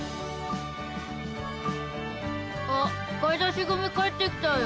あっ買い出し組帰ってきたよ。